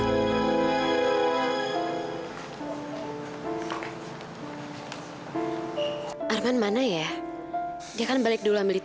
gua pasti ada setempat di unable